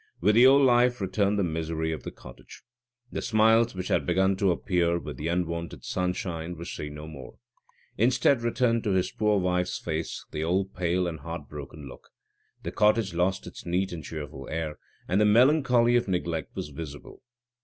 With the old life returned the misery of the cottage. The smiles, which had begun to appear with the unwonted sunshine, were seen no more. Instead, returned to his poor wife's face the old pale and heartbroken look. The cottage lost its neat and cheerful air, and the melancholy of neglect was visible.